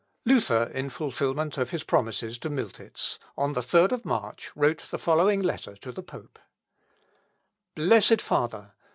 (L. Op. in Præf.) Luther, in fulfilment of his promises to Miltitz, on the 3rd of March wrote the following letter to the pope: "Blessed Father!